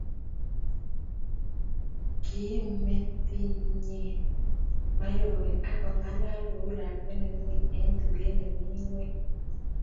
kiim metitnyen Mayowe ak kong'alal kou lakwet nemining eng tuget nemi ng'weny